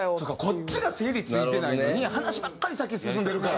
こっちが整理ついてないのに話ばっかり先進んでるから。